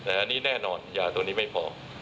แต่อันนี้แน่นอนยาตัวนี้ไม่พอ